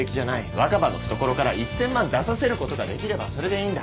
若葉の懐から１，０００万出させることができればそれでいいんだ。